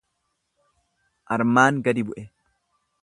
Armaan gadi bu'e.